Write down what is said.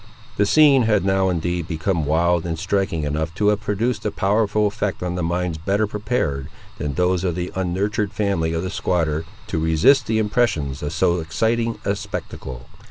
The scene had now, indeed, become wild and striking enough to have produced a powerful effect on minds better prepared, than those of the unnurtured family of the squatter, to resist the impressions of so exciting a spectacle.